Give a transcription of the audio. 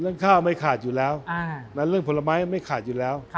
เรื่องข้าวไม่ขาดอยู่แล้วนั้นเรื่องผลไม้ไม่ขาดอยู่แล้ว